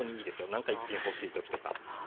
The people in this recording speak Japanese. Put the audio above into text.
なんか１品欲しい時とか。